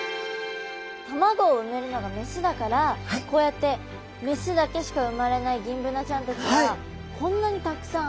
卵を産めるのが雌だからこうやって雌だけしか生まれないギンブナちゃんたちはこんなにたくさん。